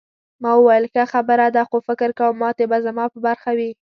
ما وویل ښه خبره ده خو فکر کوم ماتې به زما په برخه وي.